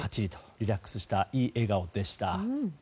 リラックスしたいい笑顔でした。